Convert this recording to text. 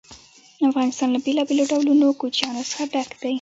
افغانستان له بېلابېلو ډولونو کوچیانو څخه ډک دی.